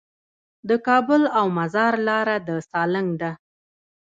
د کابل او مزار لاره د سالنګ ده